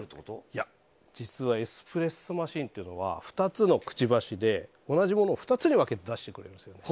いや、実はエスプレッソマシンというのは２つのくちばしで同じものを２つに分けて出してくれるんです。